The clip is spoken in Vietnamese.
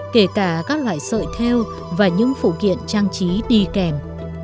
kể cả các loại sợi theo và những phụ kiện trang trí đi kèm